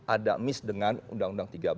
ada miss dengan undang undang tiga belas